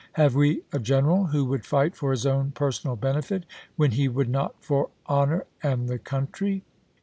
Have we a general who would fight for his own personal benefit, when he would not for honor and the country?